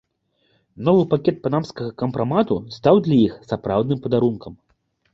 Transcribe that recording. Новы пакет панамскага кампрамату стаў для іх сапраўдным падарункам.